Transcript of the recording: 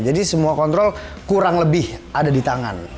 jadi semua kontrol kurang lebih ada di tangan